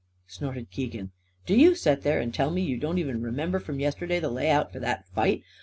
snorted Keegan. "Do you set there and tell me you don't even remember from yesterday the layout for that fight?